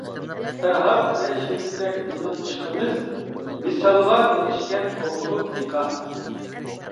پەرھات ۋە شېرىندەك بىزنىڭ ئىشقىمىز، ۋىسالغا ئېرىشكەن ئوقۇلۇپ نىكاھ.